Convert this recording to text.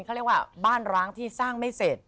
เขาเรียกว่าบ้านร้างที่สร้างไม่เสร็จ